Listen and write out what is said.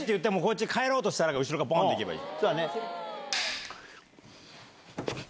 帰ろうとしたら後ろからボン！と行けばいい。